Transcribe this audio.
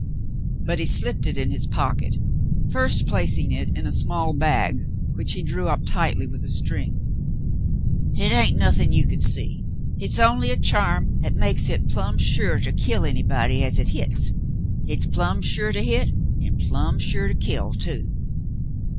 But he slipped it in his pocket, first placing it in a small bag which he drew up tightly with a string. "Hit hain't nothing you kin see. Hit's only a charm 'at makes hit plumb sure to kill anybody 'at hit hits. Hit's plumb sure to hit an' plumb sure to kill, too."